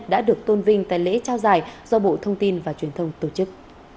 đã được tôn vinh tại lễ trao giải do bộ thông tin và truyền thông tổ chức